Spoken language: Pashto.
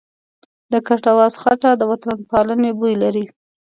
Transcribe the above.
د کټواز خټه د وطنپالنې بوی لري.